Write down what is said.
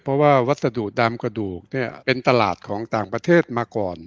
เพราะว่าวัสดุดำกระดูกเนี่ยเป็นตลาดของต่างประเทศมาก่อน